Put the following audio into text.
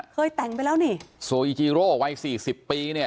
เคยแต่งไปแล้วนี่โซอีจีโร่วัยสี่สิบปีเนี่ย